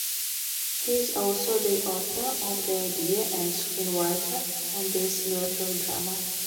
He is also the author of the idea and screenwriter of this military drama.